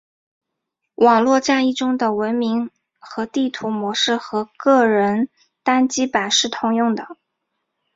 网络战役中的文明和地图模式和个人单机版是通用的。